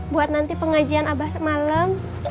buat nanti pengajian abah semalam